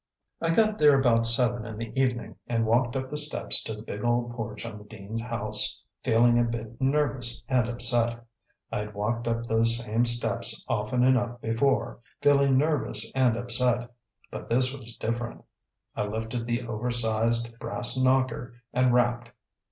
I got there about seven in the evening and walked up the steps to the big old porch on the dean's house feeling a bit nervous and upset. I'd walked up those same steps often enough before, feeling nervous and upset, but this was different. I lifted the oversized brass knocker and rapped.